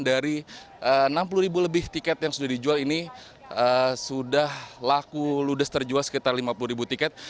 dari enam puluh ribu lebih tiket yang sudah dijual ini sudah laku ludes terjual sekitar lima puluh ribu tiket